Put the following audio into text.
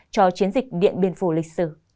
cho chiến dịch điện biên phủ lịch sử